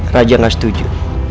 raja gak setuju